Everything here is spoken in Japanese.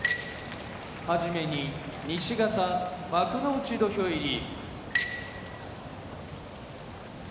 はじめに西方幕内土俵入り。